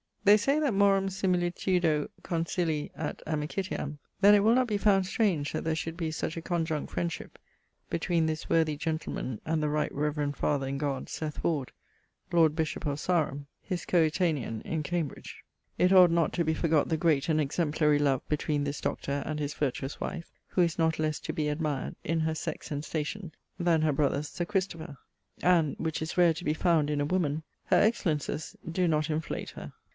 They say that morum similitudo conciat amicitiam; then it will not be found strange that there should be such a conjunct friendship between this worthy gentleman and the right reverend father in God, Seth Ward, lord bishop of Sarum, his coetanean in Cambridge. It ought not to be forgott the great and exemplary love between this Doctor and his vertuose wife, who is not lesse to be admired, in her sex and station, then her brother Sir Christopher; and (which is rare to be found in a woman) her excellences doe not inflate her.